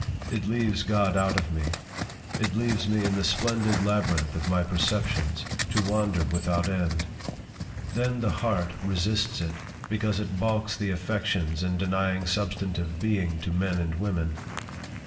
It leaves God out of me. It leaves me in the splendid labyrinth of my perceptions, to wander without end. Then the heart resists it, because it balks the affections in denying substantive being to men and women.